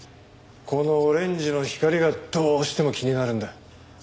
このオレンジの光がどうしても気になるんだ。